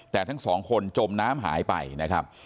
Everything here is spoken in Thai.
แต่ทั้งสองคนจมน้ำหายไปนะครับ